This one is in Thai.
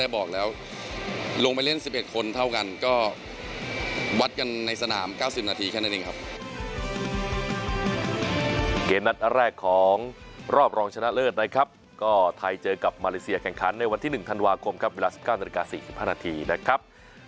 บอกแล้วลงไปเล่น๑๑คนเท่ากันก็วัดกันในสนาม๙๐นาทีแค่นั้นเองครับ